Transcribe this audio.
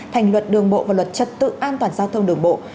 thành luật đường bộ và luật trật tự an toàn giao thông đường bộ